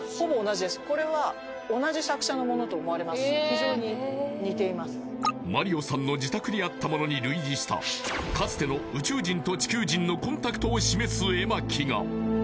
非常に似ていますマリオさんの自宅にあったものに類似したかつての宇宙人と地球人のコンタクトを示す絵巻が！